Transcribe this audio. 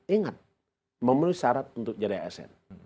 ingat memenuhi syarat untuk jadi asn